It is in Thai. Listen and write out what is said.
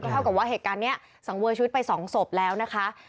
เท่ากับว่าเหตุการณ์นี้สังเวอร์ชีวิตไป๒ศพแล้วนะคะ